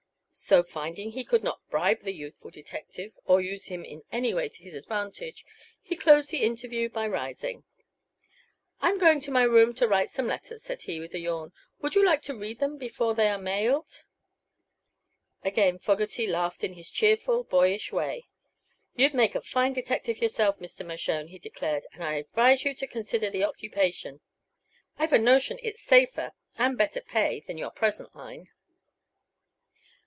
So, finding he could not bribe the youthful detective or use him in any way to his advantage, he closed the interview by rising. "I'm going to my room to write some letters," said he, with a yawn. "Would you like to read them before they are mailed?" Again Fogerty laughed in his cheerful, boyish way. "You'd make a fine detective yourself, Mr. Mershone," he declared, "and I advise you to consider the occupation. I've a notion it's safer, and better pay, than your present line."